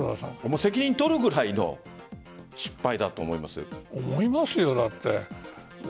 責任取るくらいの失敗だと思いますよ。